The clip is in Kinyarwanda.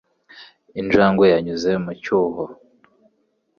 Injangwe yanyuze mu cyuho.